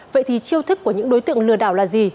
vậy thì chiêu thức của những đối tượng lừa đảo là gì